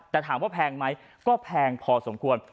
แต่ถามว่าแพงไหมก็แพงพอสมควร